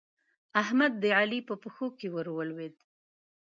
احمد د علي په پښتو کې ور ولوېد.